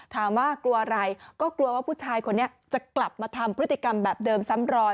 กลัวอะไรก็กลัวว่าผู้ชายคนนี้จะกลับมาทำพฤติกรรมแบบเดิมซ้ำรอย